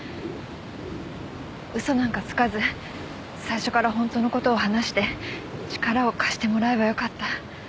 嘘なんかつかず最初から本当の事を話して力を貸してもらえばよかった。